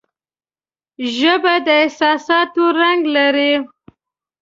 ژبه د احساساتو رنگ لري